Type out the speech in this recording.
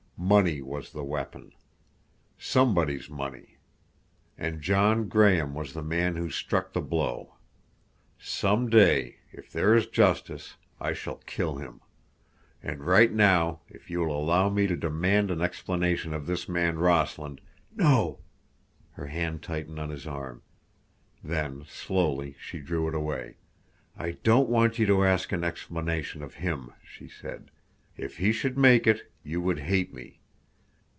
Money was the weapon. Somebody's money. And John Graham was the man who struck the blow. Some day, if there is justice, I shall kill him. And right now, if you will allow me to demand an explanation of this man Rossland—" "No." Her hand tightened on his arm. Then, slowly, she drew it away. "I don't want you to ask an explanation of him," she said. "If he should make it, you would hate me.